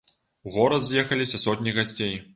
У горад з'ехаліся сотні гасцей.